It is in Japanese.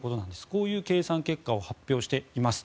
こういう計算結果を発表しています。